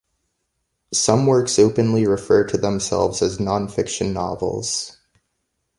Some works openly refer to themselves as 'nonfiction novels.